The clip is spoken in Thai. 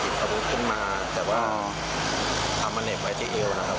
บีบสะพุดขึ้นมาแบบตรงเมืองไปที่เอยูนะครับ